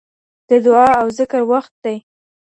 د دعاء او ذکر وخت دی